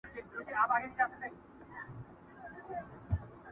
چي پر اوښ دي څه بار کړي دي څښتنه!!